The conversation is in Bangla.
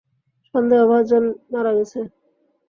সন্দেহভাজন মারা গেছে।